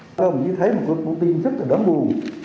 tôi không chỉ thấy một con tin rất là đáng buồn